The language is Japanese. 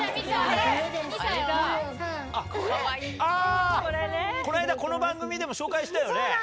この間この番組でも紹介したよね。